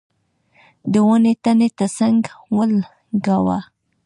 د ونې تنې ته څنګ ولګاوه.